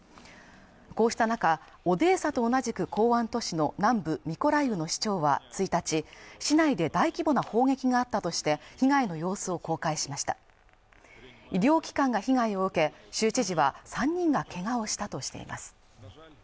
こうした中オデーサと同じく港湾都市の南部ミコライウの市長は１日市内で大規模な攻撃があったとして被害の様子を公開しました医療機関が被害を受け州知事は３人がけがをしたとしています